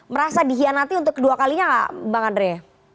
merasa dihianati untuk kedua kalinya nggak bang andre